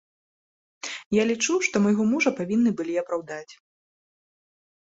Я лічу, што майго мужа павінны былі апраўдаць.